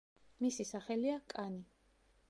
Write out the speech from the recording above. მისი სახელია „კანი“.